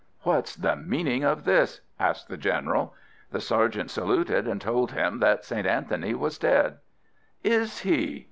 "What's the meaning of this?" asked the General. The Sergeant saluted, and told him that St. Anthony was dead. "Is he?